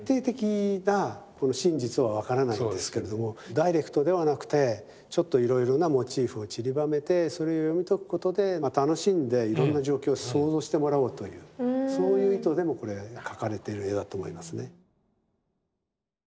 ダイレクトではなくてちょっといろいろなモチーフをちりばめてそれを読み解くことで楽しんでいろんな状況を想像してもらおうというそういう意図でもこれ描かれてる絵だと思いますね。